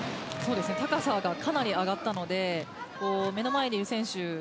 高さが、かなり上がったので目の前にいる選手